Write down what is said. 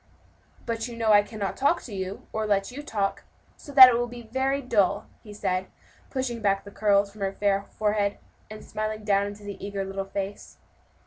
"But you know I cannot talk to you, or let you talk; so that it will be very dull," he said, pushing back the curls from the fair forehead, and smiling down into the eager little face.